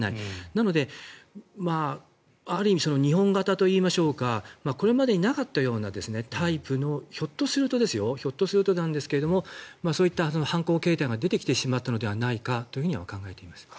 なので、ある意味日本型といいましょうかこれまでになかったようなタイプのひょっとするとなんですけどそういった犯行形態が出てきてしまったのではないかと考えています。